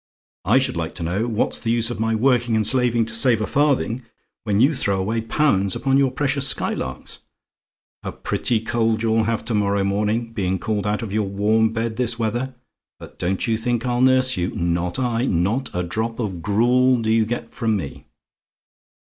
I should like to know what's the use of my working and slaving to save a farthing, when you throw away pounds upon your precious Skylarks. A pretty cold you'll have to morrow morning, being called out of your warm bed this weather; but don't you think I'll nurse you not I; not a drop of gruel do you get from me.